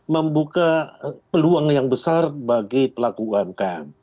membuka peluang yang besar bagi pelaku umkm